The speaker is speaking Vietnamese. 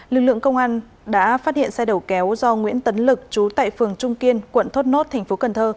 lực lượng công an đã phát hiện xe đầu kéo do nguyễn tấn lực trú tại phường trung kiên quận thốt nốt tp cn